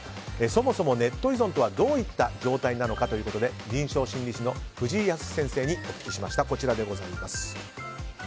そもそもネット依存とはどういった状態かということで臨床心理士の藤井靖先生にお聞きしました。